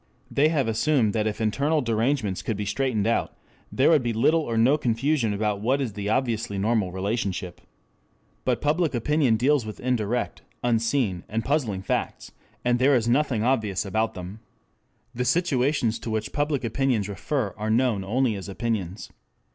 They have assumed that if internal derangements could be straightened out, there would be little or no confusion about what is the obviously normal relationship. But public opinion deals with indirect, unseen, and puzzling facts, and there is nothing obvious about them. The situations to which public opinions refer are known only as opinions.